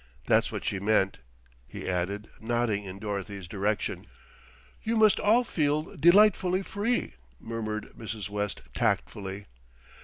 That's what she meant," he added, nodding in Dorothy's direction. "You must all feel delightfully free," murmured Mrs. West tactfully.